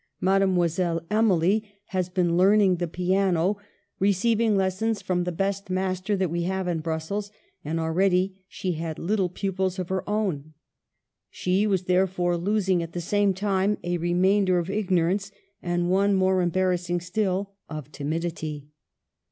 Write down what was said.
Mademoiselle Emily has been learning the piano, receiving lessons from the best master that we have in Brussels, and already she had little pu pils of her own ; she was therefore losing at the same time a remainder of ignorance, and one, more embarrassing still, of timidity.